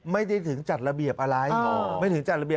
ไม่ได้ถึงจัดระเบียบอะไร